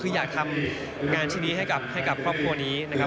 คืออยากทำงานชิ้นนี้ให้กับครอบครัวนี้นะครับ